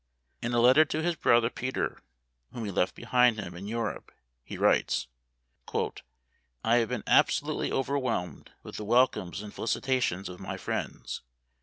In a letter to his brother Peter, whom he left behind him in Europe, he writes, " I have been absolutely overwhelmed with the welcomes and felicitations of my friends.